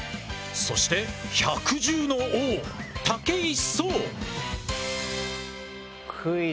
そして百獣の王武井壮。